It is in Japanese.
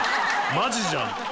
マジじゃん。